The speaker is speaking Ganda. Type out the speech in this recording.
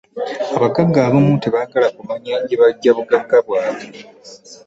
Abaggaga abamu tebagala kumanya gye bajja buggaga bwaabwe.